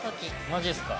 マジですか？